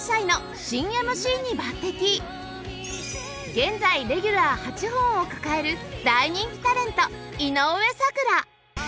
現在レギュラー８本を抱える大人気タレント井上咲楽